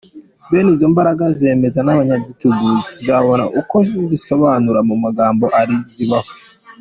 Bene izo mbaraga, zemeza n’abanyagitugu, sinabona uko nzisobanura mu magabo, ariko zibaho.